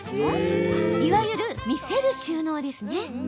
いわゆる見せる収納です。